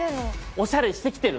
おしゃれして来てるの！